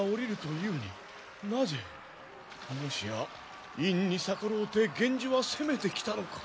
もしや院に逆ろうて源氏は攻めてきたのか！？